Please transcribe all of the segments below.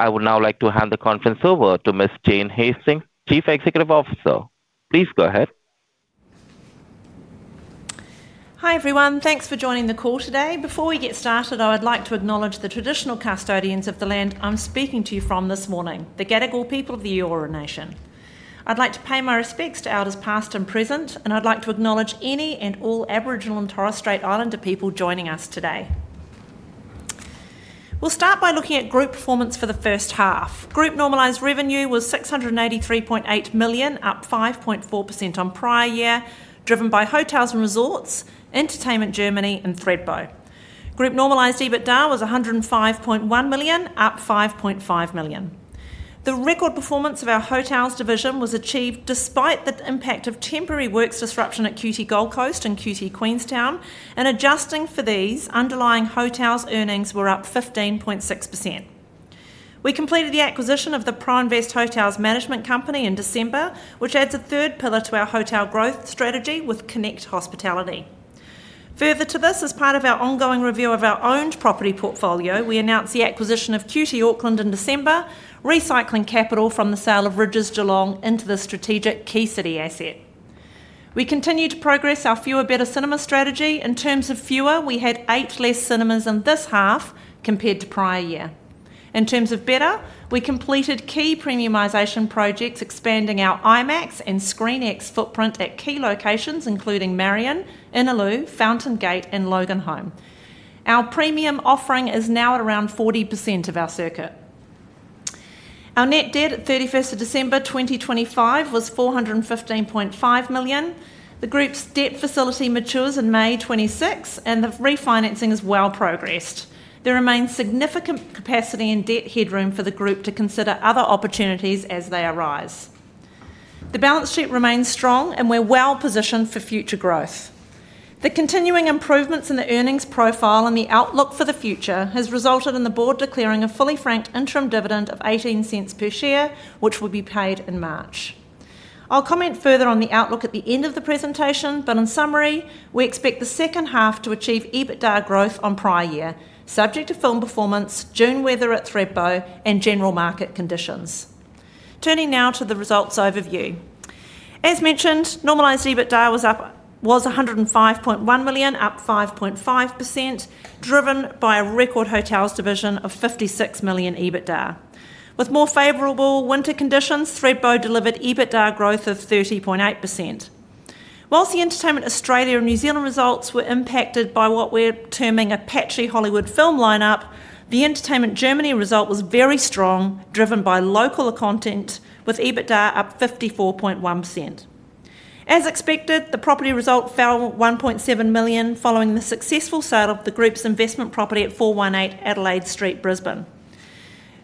I would now like to hand the conference over to Miss Jane Hastings, Chief Executive Officer. Please go ahead. Hi, everyone. Thanks for joining the call today. Before we get started, I would like to acknowledge the traditional custodians of the land I'm speaking to you from this morning, the Gadigal people of the Eora Nation. I'd like to pay my respects to elders past and present, and I'd like to acknowledge any and all Aboriginal and Torres Strait Islander people joining us today. We'll start by looking at group performance for the first half. Group normalized revenue was 683.8 million, up 5.4% on prior year, driven by hotels and resorts, Entertainment Germany, and Group normalized EBITDA was 105.1 million, up 5.5 million. The record performance of our hotels division was achieved despite the impact of temporary works disruption at QT Gold Coast and QT Queenstown. Adjusting for these, underlying hotels earnings were up 15.6%. We completed the acquisition of the Pro-invest Hotels Management Company in December, which adds a third pillar to our hotel growth strategy with Connect Hospitality. Further to this, as part of our ongoing review of our owned property portfolio, we announced the acquisition of QT Auckland in December, recycling capital from the sale of Rydges Geelong into the strategic key city asset. We continue to progress our fewer, better cinema strategy. In terms of fewer, we had eight less cinemas in this half compared to prior year. In terms of better, we completed key premiumization projects, expanding our IMAX and ScreenX footprint at key locations, including Marion, Innaloo, Fountain Gate, and Loganholme. Our premium offering is now at around 40% of our circuit. Our net debt at 31st of December 2025 was 415.5 million. The group's debt facility matures in May 2026, the refinancing is well progressed. There remains significant capacity and debt headroom for the group to consider other opportunities as they arise. The balance sheet remains strong, we're well positioned for future growth. The continuing improvements in the earnings profile and the outlook for the future has resulted in the board declaring a fully franked interim dividend of 0.18 per share, which will be paid in March. I'll comment further on the outlook at the end of the presentation, in summary, we expect the second half to achieve EBITDA growth on prior year, subject to film performance, June weather at Thredbo, and general market conditions. Turning now to the results overview. As mentioned, normalized EBITDA was 105.1 million, up 5.5%, driven by a record hotels division of 56 million EBITDA. With more favorable winter conditions, Thredbo delivered EBITDA growth of 30.8%. Whilst the Entertainment Australia and New Zealand results were impacted by what we're terming a patchy Hollywood film lineup, the Entertainment Germany result was very strong, driven by local content, with EBITDA up 54.1%. As expected, the property result fell 1.7 million, following the successful sale of the group's investment property at 418 Adelaide Street, Brisbane.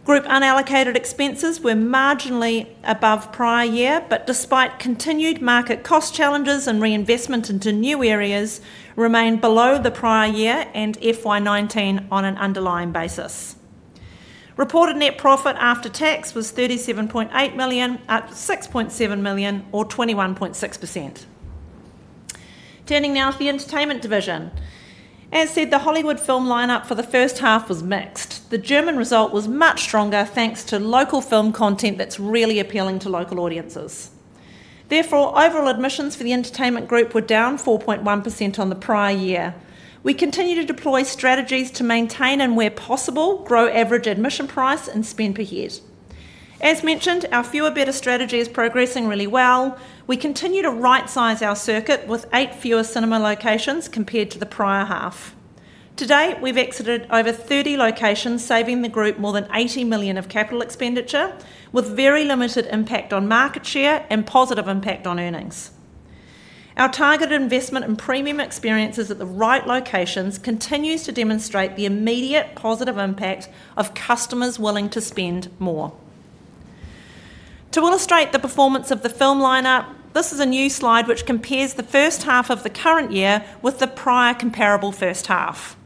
Group unallocated expenses were marginally above prior year, but despite continued market cost challenges and reinvestment into new areas, remained below the prior year and FY19 on an underlying basis. Reported net profit after tax was 37.8 million, up 6.7 million, or 21.6%. Turning now to the Entertainment division. As said, the Hollywood film lineup for the first half was mixed. The German result was much stronger, thanks to local film content that's really appealing to local audiences. Therefore, overall admissions for the Entertainment group were down 4.1% on the prior year. We continue to deploy strategies to maintain, and where possible, grow average admission price and spend per head. As mentioned, our fewer, better strategy is progressing really well. We continue to right-size our circuit with eight fewer cinema locations compared to the prior half. To date, we've exited over 30 locations, saving the group more than 80 million of capital expenditure, with very limited impact on market share and positive impact on earnings. Our targeted investment in premium experiences at the right locations continues to demonstrate the immediate positive impact of customers willing to spend more. To illustrate the performance of the film lineup, this is a new slide which compares the first half of the current year with the prior comparable first half.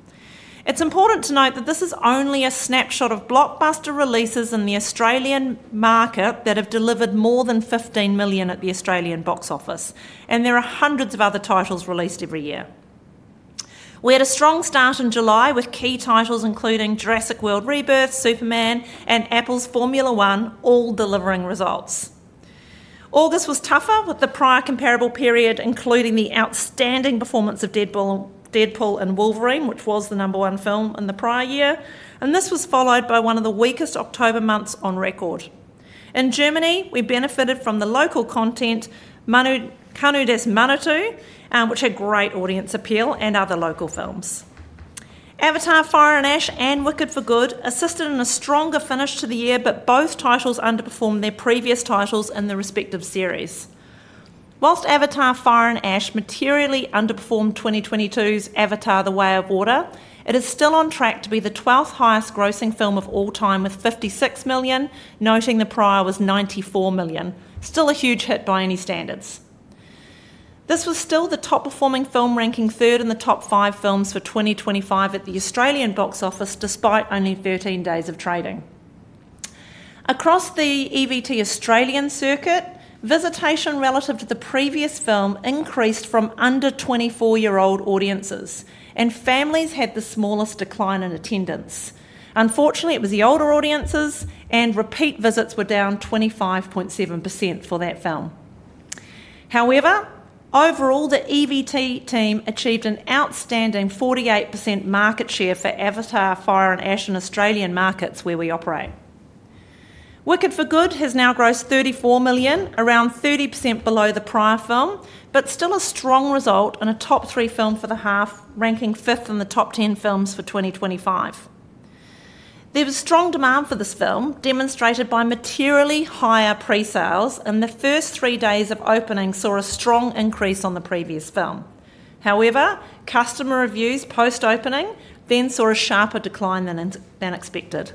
It's important to note that this is only a snapshot of blockbuster releases in the Australian market that have delivered more than 15 million at the Australian box office. There are hundreds of other titles released every year. We had a strong start in July with key titles, including Jurassic World Rebirth, Superman, and Apple's Formula One, all delivering results. August was tougher, with the prior comparable period, including the outstanding performance of Deadpool & Wolverine, which was the number one film in the prior year. This was followed by one of the weakest October months on record. In Germany, we benefited from the local content, Kanu des Manitu, which had great audience appeal and other local films. Avatar: Fire and Ash and Wicked: For Good assisted in a stronger finish to the year. Both titles underperformed their previous titles in the respective series. Whilst Avatar: Fire and Ash materially underperformed 2022's Avatar: The Way of Water, it is still on track to be the 12th highest grossing film of all time, with 56 million, noting the prior was 94 million. Still a huge hit by any standards. This was still the top-performing film, ranking third in the top five films for 2025 at the Australian box office, despite only 13 days of trading. Across the EVT Australian circuit, visitation relative to the previous film increased from under 24-year-old audiences, and families had the smallest decline in attendance. Unfortunately, it was the older audiences, and repeat visits were down 25.7% for that film. However, overall, the EVT team achieved an outstanding 48% market share for Avatar: Fire and Ash in Australian markets where we operate. Wicked: For Good has now grossed 34 million, around 30% below the prior film, but still a strong result and a top three film for the half, ranking 5th in the top 10 films for 2025. There was strong demand for this film, demonstrated by materially higher pre-sales, and the first three days of opening saw a strong increase on the previous film. However, customer reviews post-opening then saw a sharper decline than expected.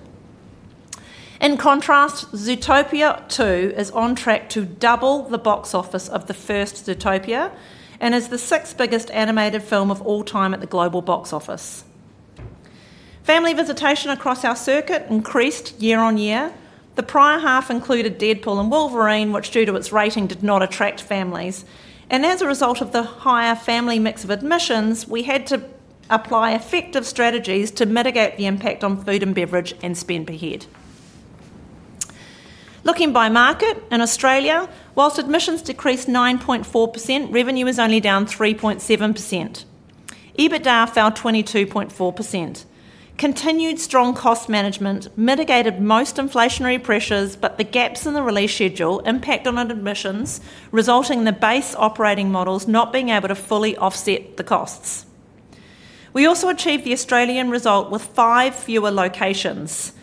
In contrast, Zootopia 2 is on track to double the box office of the first Zootopia, and is the sixth biggest animated film of all time at the global box office. Family visitation across our circuit increased year-on-year. The prior half included Deadpool & Wolverine, which, due to its rating, did not attract families. As a result of the higher family mix of admissions, we had to apply effective strategies to mitigate the impact on food and beverage and spend per head. Looking by market, in Australia, whilst admissions decreased 9.4%, revenue is only down 3.7%. EBITDA fell 22.4%. Continued strong cost management mitigated most inflationary pressures, but the gaps in the release schedule impacted on admissions, resulting in the base operating models not being able to fully offset the costs. We also achieved the Australian result with five fewer locations.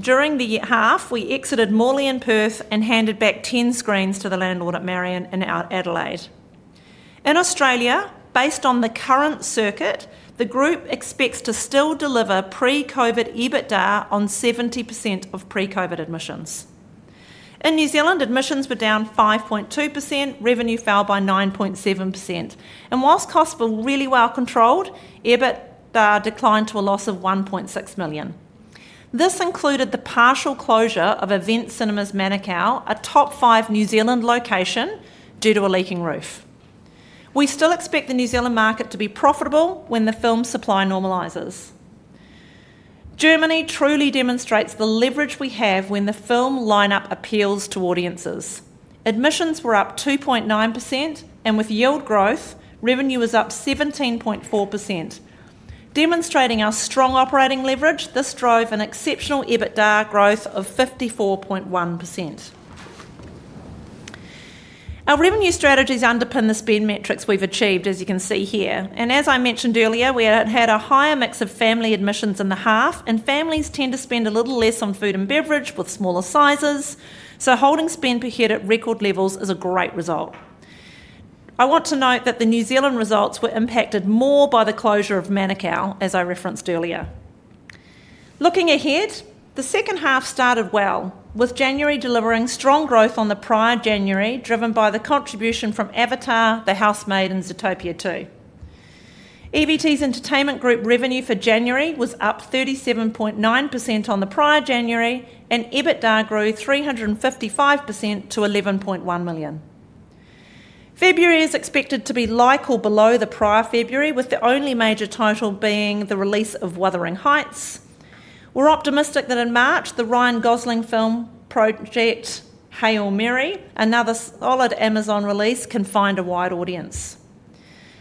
During the half, we exited Morley in Perth and handed back 10 screens to the landlord at Marion in outer Adelaide. In Australia, based on the current circuit, the group expects to still deliver pre-COVID EBITDA on 70% of pre-COVID admissions. In New Zealand, admissions were down 5.2%, revenue fell by 9.7%. Whilst costs were really well controlled, EBITDA declined to a loss of 1.6 million. This included the partial closure of Event Cinemas Manukau, a top five New Zealand location, due to a leaking roof. We still expect the New Zealand market to be profitable when the film supply normalizes. Germany truly demonstrates the leverage we have when the film lineup appeals to audiences. Admissions were up 2.9%, and with yield growth, revenue is up 17.4%. Demonstrating our strong operating leverage, this drove an exceptional EBITDA growth of 54.1%. Our revenue strategies underpin the spend metrics we've achieved, as you can see here. As I mentioned earlier, we had a higher mix of family admissions in the half, and families tend to spend a little less on food and beverage with smaller sizes, so holding spend per head at record levels is a great result. I want to note that the New Zealand results were impacted more by the closure of Manukau, as I referenced earlier. Looking ahead, the second half started well, with January delivering strong growth on the prior January, driven by the contribution from Avatar, The Housemaid, and Zootopia 2. EVT's entertainment group revenue for January was up 37.9% on the prior January, and EBITDA grew 355% to 11.1 million. February is expected to be like or below the prior February, with the only major title being the release of Wuthering Heights. We're optimistic that in March, the Ryan Gosling film Project Hail Mary, another solid Amazon release, can find a wide audience.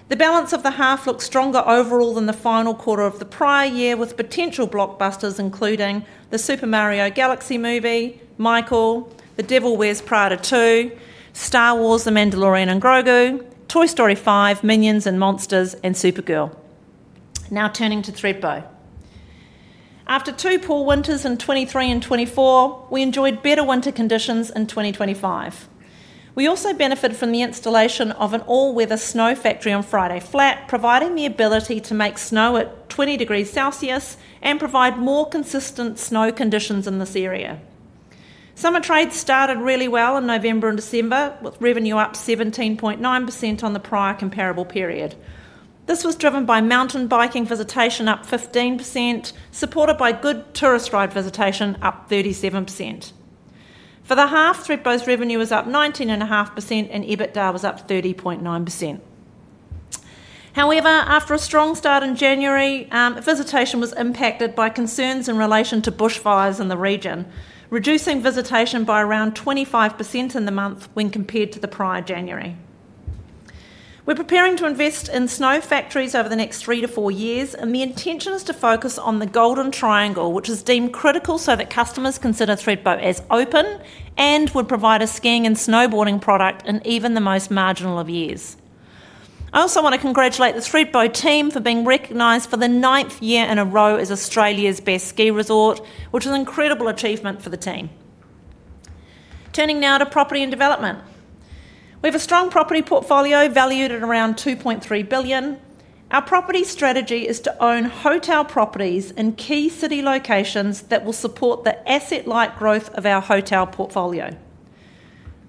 The balance of the half looks stronger overall than the final quarter of the prior year, with potential blockbusters including The Super Mario Galaxy Movie, Michael, The Devil Wears Prada 2, Star Wars: The Mandalorian and Grogu, Toy Story 5, Minions & Monsters, and Supergirl. Now, turning to Thredbo. After two poor winters in 2023 and 2024, we enjoyed better winter conditions in 2025. We also benefited from the installation of an all-weather snow factory on Friday Flat, providing the ability to make snow at 20 degrees Celsius and provide more consistent snow conditions in this area. Summer trade started really well in November and December, with revenue up 17.9% on the prior comparable period. This was driven by mountain biking visitation up 15%, supported by good tourist ride visitation up 37%. For the half, Thredbo's revenue was up 19.5% and EBITDA was up 30.9%. However, after a strong start in January, visitation was impacted by concerns in relation to bushfires in the region, reducing visitation by around 25% in the month when compared to the prior January. We're preparing to invest in snow factories over the next three to four years. The intention is to focus on the Golden Triangle, which is deemed critical so that customers consider Thredbo as open and would provide a skiing and snowboarding product in even the most marginal of years. I also want to congratulate the Thredbo team for being recognized for the ninth year in a row as Australia's best ski resort, which is an incredible achievement for the team. Turning now to property and development. We have a strong property portfolio valued at around 2.3 billion. Our property strategy is to own hotel properties in key city locations that will support the asset-light growth of our hotel portfolio....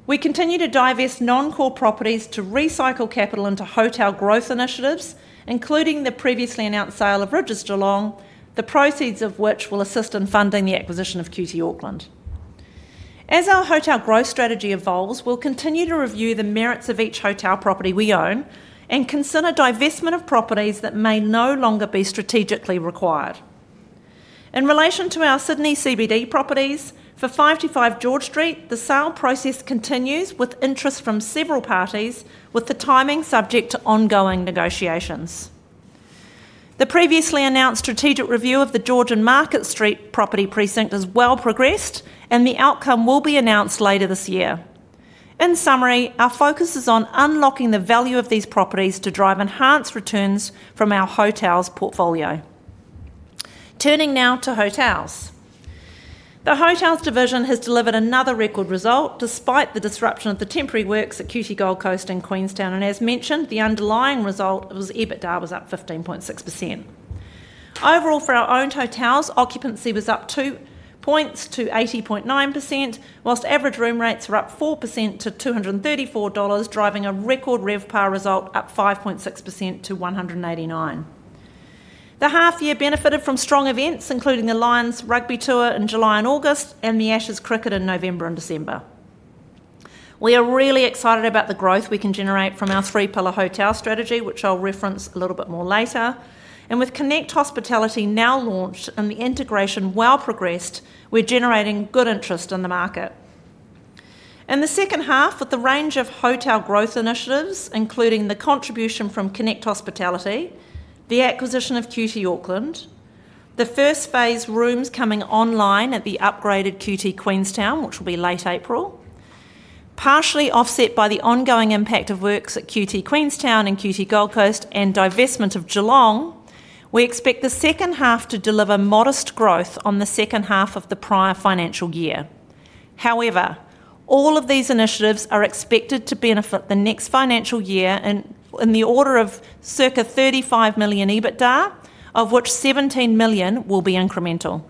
We continue to divest non-core properties to recycle capital into hotel growth initiatives, including the previously announced sale of Rydges Geelong, the proceeds of which will assist in funding the acquisition of QT Auckland. As our hotel growth strategy evolves, we'll continue to review the merits of each hotel property we own and consider divestment of properties that may no longer be strategically required. In relation to our Sydney CBD properties, for 55 George Street, the sale process continues with interest from several parties, with the timing subject to ongoing negotiations. The previously announced strategic review of the George and Market Street property precinct is well progressed, and the outcome will be announced later this year. In summary, our focus is on unlocking the value of these properties to drive enhanced returns from our hotels portfolio. Turning now to hotels. The hotels division has delivered another record result despite the disruption of the temporary works at QT Gold Coast and Queenstown, as mentioned, the underlying result was EBITDA was up 15.6%. Overall, for our own hotels, occupancy was up two points to 80.9%, whilst average room rates were up 4% to 234 dollars, driving a record RevPAR result, up 5.6% to 189. The half year benefited from strong events, including the Lions Rugby Tour in July and August and the Ashes Cricket in November and December. We are really excited about the growth we can generate from our three-pillar hotel strategy, which I'll reference a little bit more later. With Connect Hospitality now launched and the integration well progressed, we're generating good interest in the market. In the second half, with the range of hotel growth initiatives, including the contribution from Connect Hospitality, the acquisition of QT Auckland, the first phase rooms coming online at the upgraded QT Queenstown, which will be late April, partially offset by the ongoing impact of works at QT Queenstown and QT Gold Coast and divestment of Geelong, we expect the second half to deliver modest growth on the second half of the prior financial year. However, all of these initiatives are expected to benefit the next financial year in the order of circa 35 million EBITDA, of which 17 million will be incremental.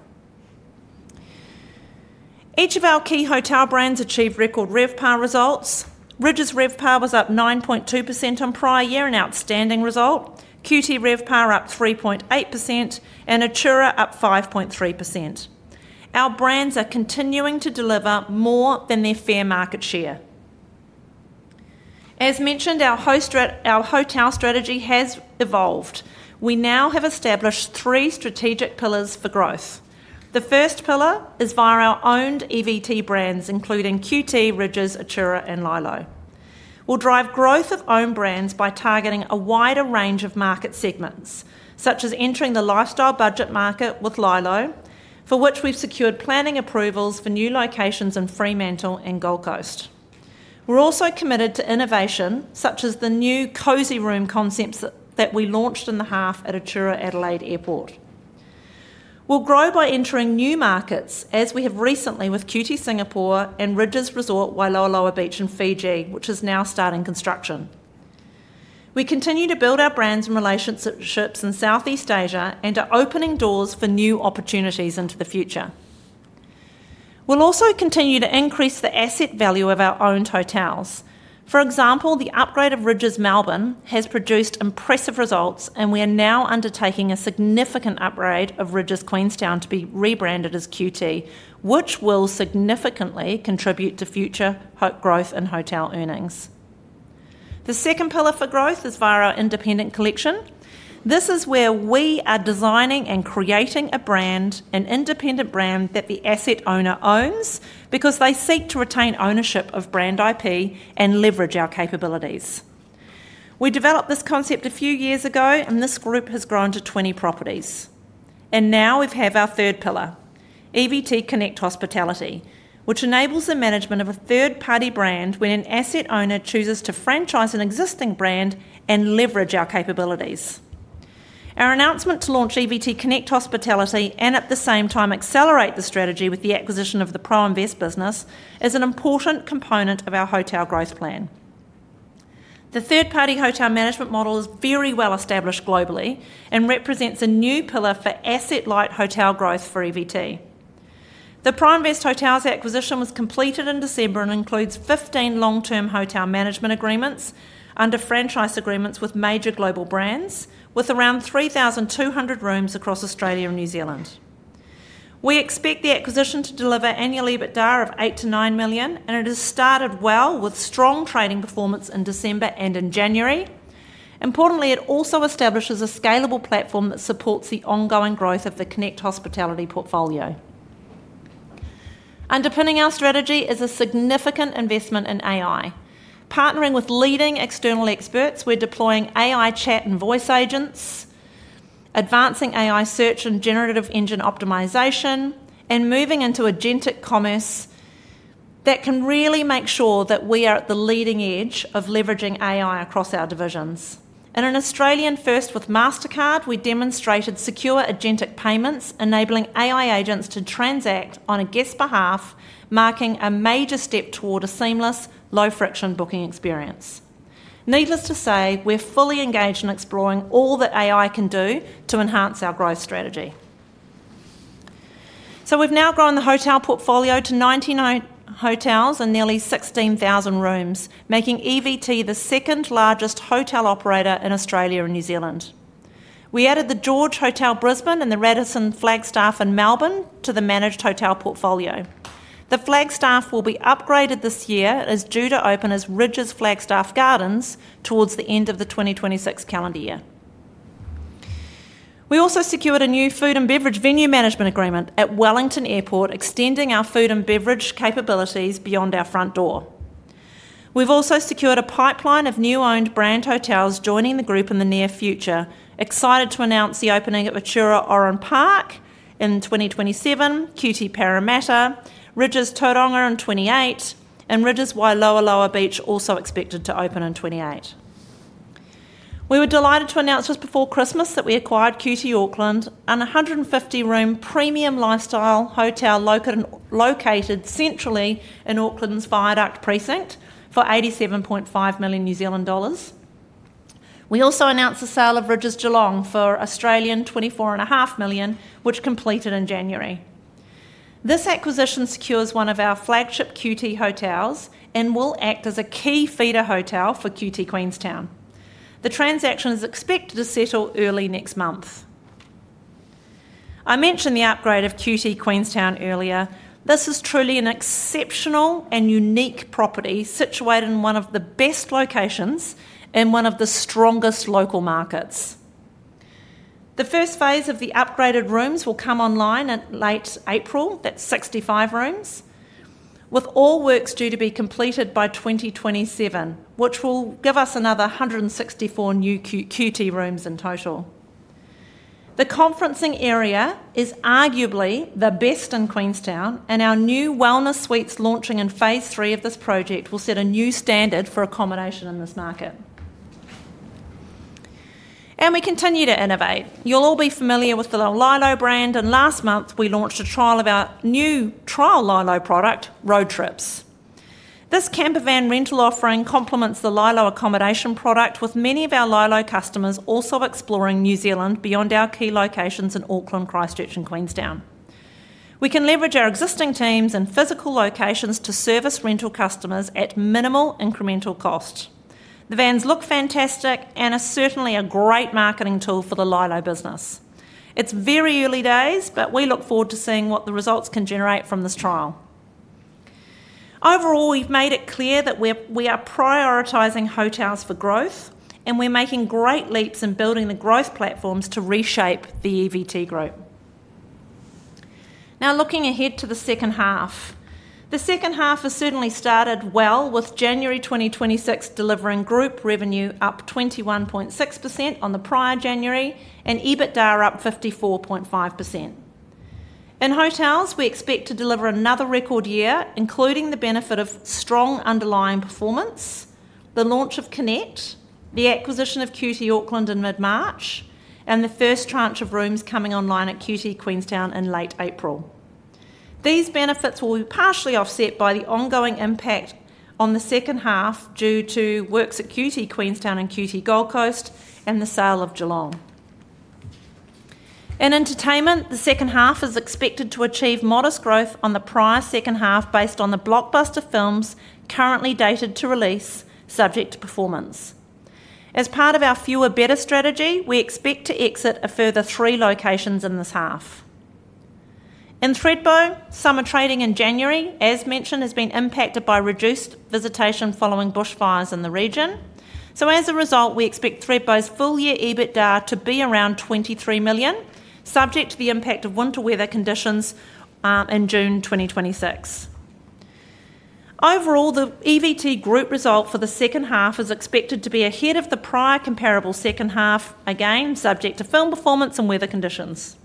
Each of our key hotel brands achieved record RevPAR results. Rydges RevPAR was up 9.2% on prior year, an outstanding result, QT RevPAR up 3.8%, and Atura up 5.3%. Our brands are continuing to deliver more than their fair market share. As mentioned, our hotel strategy has evolved. We now have established three strategic pillars for growth. The first pillar is via our owned EVT brands, including QT, Rydges, Atura, and LyLo. We'll drive growth of own brands by targeting a wider range of market segments, such as entering the lifestyle budget market with LyLo, for which we've secured planning approvals for new locations in Fremantle and Gold Coast. We're also committed to innovation, such as the new cozy room concepts that we launched in the half at Atura Adelaide Airport. We'll grow by entering new markets, as we have recently with QT Singapore and Rydges Resort Wailoaloa Beach in Fiji, which is now starting construction. We continue to build our brands and relationships in Southeast Asia and are opening doors for new opportunities into the future. We'll also continue to increase the asset value of our owned hotels. For example, the upgrade of Rydges Melbourne has produced impressive results, and we are now undertaking a significant upgrade of Rydges Queenstown to be rebranded as QT, which will significantly contribute to future growth in hotel earnings. The second pillar for growth is via our independent collection. This is where we are designing and creating a brand, an independent brand, that the asset owner owns because they seek to retain ownership of brand IP and leverage our capabilities. We developed this concept a few years ago, and this group has grown to 20 properties. Now we have our third pillar, EVT Connect Hospitality, which enables the management of a third-party brand when an asset owner chooses to franchise an existing brand and leverage our capabilities. Our announcement to launch EVT Connect Hospitality, and at the same time accelerate the strategy with the acquisition of the Pro-invest business, is an important component of our hotel growth plan. The third-party hotel management model is very well established globally and represents a new pillar for asset-light hotel growth for EVT. The Pro-invest Hotels acquisition was completed in December and includes 15 long-term hotel management agreements under franchise agreements with major global brands, with around 3,200 rooms across Australia and New Zealand. We expect the acquisition to deliver annual EBITDA of 8 million-9 million, and it has started well with strong trading performance in December and in January. Importantly, it also establishes a scalable platform that supports the ongoing growth of the Connect Hospitality portfolio. Underpinning our strategy is a significant investment in AI. Partnering with leading external experts, we're deploying AI chat and voice agents, advancing AI search and generative engine optimization, and moving into agentic commerce that can really make sure that we are at the leading edge of leveraging AI across our divisions. In an Australian first with Mastercard, we demonstrated secure agentic payments, enabling AI agents to transact on a guest's behalf, marking a major step toward a seamless, low-friction booking experience. Needless to say, we're fully engaged in exploring all that AI can do to enhance our growth strategy. We've now grown the hotel portfolio to 99 hotels and nearly 16,000 rooms, making EVT the second-largest hotel operator in Australia and New Zealand. We added the George Hotel, Brisbane, and the Radisson Flagstaff in Melbourne to the managed hotel portfolio. The Flagstaff will be upgraded this year and is due to open as Rydges Flagstaff Gardens towards the end of the 2026 calendar year. We also secured a new food and beverage venue management agreement at Wellington Airport, extending our food and beverage capabilities beyond our front door. We've also secured a pipeline of new owned brand hotels joining the group in the near future. Excited to announce the opening of Atura, Oran Park in 2027, QT Parramatta, Rydges Tauranga in 2028, and Rydges Wailoaloa Beach also expected to open in 2028. We were delighted to announce just before Christmas that we acquired QT Auckland, a 150-room premium lifestyle hotel located centrally in Auckland's Viaduct Precinct for 87.5 million New Zealand dollars. We also announced the sale of Rydges Geelong for 24.5 million, which completed in January. This acquisition secures one of our flagship QT hotels and will act as a key feeder hotel for QT Queenstown. The transaction is expected to settle early next month. I mentioned the upgrade of QT Queenstown earlier. This is truly an exceptional and unique property, situated in one of the best locations in one of the strongest local markets. The first phase of the upgraded rooms will come online in late April, that's 65 rooms, with all works due to be completed by 2027, which will give us another 164 new QT rooms in total. The conferencing area is arguably the best in Queenstown. Our new wellness suites launching in phase three of this project will set a new standard for accommodation in this market. We continue to innovate. You'll all be familiar with the LyLo brand, and last month we launched a trial of our new trial LyLo product, Road Trips. This camper van rental offering complements the LyLo accommodation product, with many of our LyLo customers also exploring New Zealand beyond our key locations in Auckland, Christchurch, and Queenstown. We can leverage our existing teams and physical locations to service rental customers at minimal incremental cost. The vans look fantastic and are certainly a great marketing tool for the LyLo business. It's very early days, but we look forward to seeing what the results can generate from this trial. Overall, we've made it clear that we're, we are prioritizing hotels for growth, and we're making great leaps in building the growth platforms to reshape the EVT group. Now, looking ahead to the second half. The second half has certainly started well, with January 2026 delivering group revenue up 21.6% on the prior January and EBITDA up 54.5%. In hotels, we expect to deliver another record year, including the benefit of strong underlying performance, the launch of Connect, the acquisition of QT Auckland in mid-March, and the first tranche of rooms coming online at QT Queenstown in late April. These benefits will be partially offset by the ongoing impact on the second half, due to works at QT Queenstown and QT Gold Coast and the sale of Geelong. In entertainment, the second half is expected to achieve modest growth on the prior second half, based on the blockbuster films currently dated to release, subject to performance. As part of our fewer better strategy, we expect to exit a further three locations in this half. In Thredbo, summer trading in January, as mentioned, has been impacted by reduced visitation following bushfires in the region. As a result, we expect Thredbo's full-year EBITDA to be around 23 million, subject to the impact of winter weather conditions in June 2026. Overall, the EVT group result for the second half is expected to be ahead of the prior comparable second half, again, subject to film performance and weather conditions.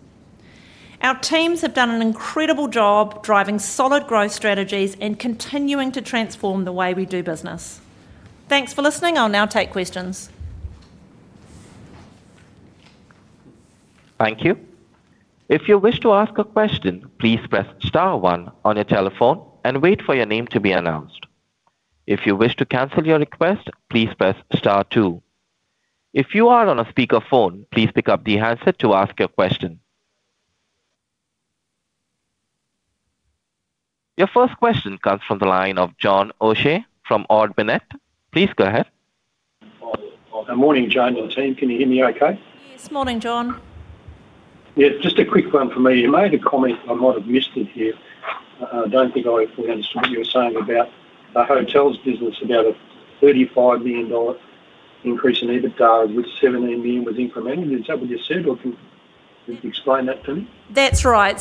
Our teams have done an incredible job driving solid growth strategies and continuing to transform the way we do business. Thanks for listening. I'll now take questions. Thank you. If you wish to ask a question, please press star one on your telephone and wait for your name to be announced. If you wish to cancel your request, please press star two. If you are on a speakerphone, please pick up the handset to ask your question. Your first question comes from the line of John O'Shea from Ord Minnett. Please go ahead. Hi. Good morning, Jane and the team. Can you hear me okay? Yes. Morning, John. Yeah, just a quick one from me. You made a comment, I might have missed it here. I don't think I fully understood what you were saying about the hotels business, about a 35 million dollar increase in EBITDA, with 17 million was incremental. Is that what you said, or can you explain that to me? That's right.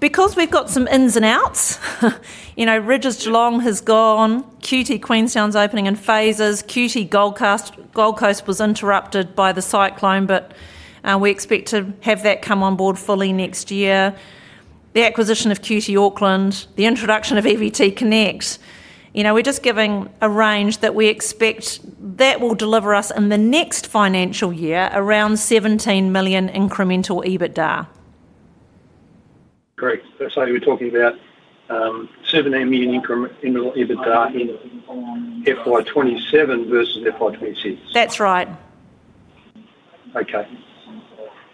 Because we've got some ins and outs, you know, Rydges Geelong has gone, QT Queenstown's opening in phases, QT Gold Coast, Gold Coast was interrupted by the cyclone, but we expect to have that come on board fully next year. The acquisition of QT Auckland, the introduction of EVT Connect, you know, we're just giving a range that we expect that will deliver us in the next financial year, around 17 million incremental EBITDA. Great. You're talking about, $17 million incremental EBITDA in FY 2027 versus FY 2026? That's right. Okay. That's,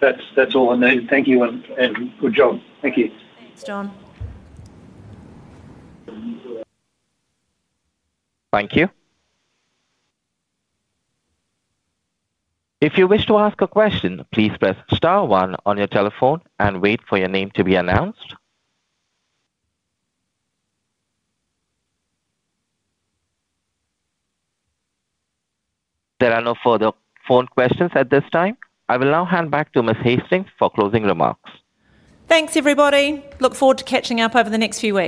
that's all I needed. Thank you, and, and good job. Thank you. Thanks, John. Thank you. If you wish to ask a question, please press star one on your telephone and wait for your name to be announced. There are no further phone questions at this time. I will now hand back to Ms Hastings for closing remarks. Thanks, everybody. Look forward to catching up over the next few weeks.